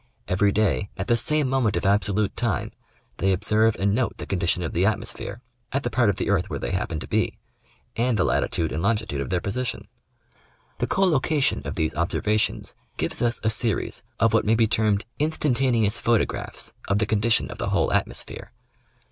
Every day, at the same moment of ab solute time, they observe and note the condition of the atmosphere at the part of the earth where they happen to be, and the latitude and longitude of their position. The collocation of these observa tions gives us a series of what may be termed instantaneous photographs of the condition of the whole atmosphere.